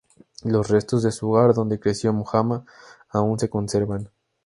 Los restos de su hogar, donde creció Mahoma, aún se conservan.